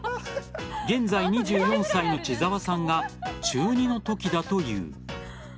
現在２３歳の千澤さんが中２のときだという。